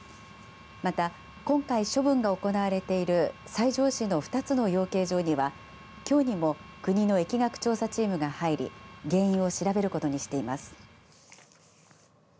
また、今回処分が行われている西条市の２つの養鶏場にはきょうにも国の疫学調査チームが入り原因を調べることにしています。